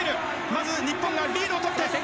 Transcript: まず日本がリードを取って。